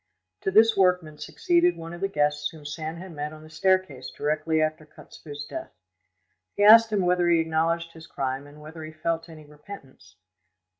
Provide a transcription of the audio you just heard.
To this workman succeeded one of the guests whom Sand had met on the staircase directly after Kotzebue's death. He asked him whether he acknowledged his crime and whether he felt any repentance.